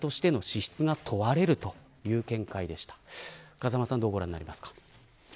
風間さんどうご覧になりますか。